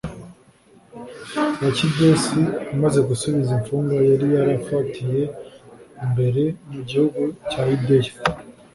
bakidesi amaze gusubiza imfungwa yari yarafatiye mbere mu gihugu cya yudeya